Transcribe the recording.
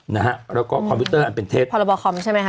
นะฮะแล้วก็คอมพิวเตอร์อันเป็นเท็จพรบคอมใช่ไหมค